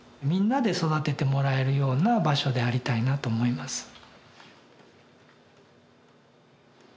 みんなで育ててもらえるような場所でありたいなと思います。